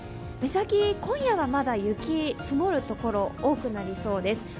目先、今夜はまだ雪が積もる所が多くなりそうです。